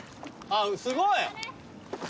すごい。